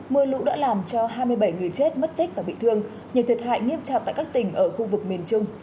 mưa lũ đã làm cho hai mươi bảy người chết mất tích và bị thương nhiều thiệt hại nghiêm trọng tại các tỉnh ở khu vực miền trung